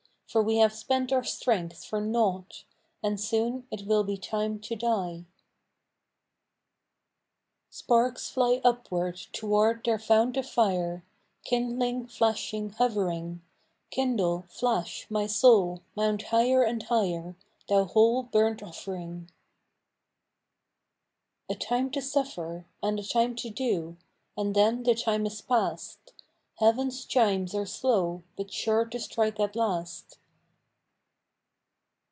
For we have spent our strength for nought, And soon it will be time to die. 15.6 FROM QUEENS'GARDENS. Sparks fly upward toward their fount 6f fire, Kindling, flashing, hovering: Kindle, flash, my soul; mount higher and higher, Thou whole burnt offering: A time to suffer, and a time to do, And then the time is past. Heaven's chimes are slow, but sure to strike at last.